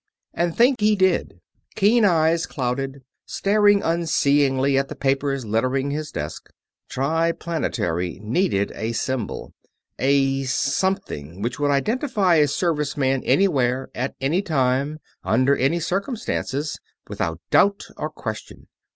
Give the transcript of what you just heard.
And think he did; keen eyes clouded, staring unseeingly at the papers littering his desk. Triplanetary needed a symbol a something which would identify a Service man anywhere, at any time, under any circumstances, without doubt or question